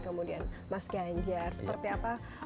kemudian mas ganjar seperti apa